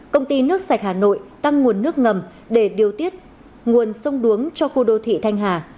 công ty nước sạch hà nội tăng nguồn nước ngầm để điều tiết nguồn sông đuống cho khu đô thị thanh hà